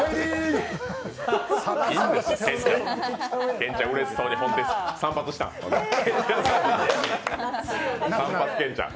健ちゃんうれしそうに、散髪したん？